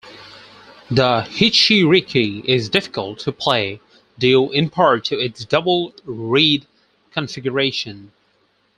The "hichiriki" is difficult to play, due in part to its double reed configuration.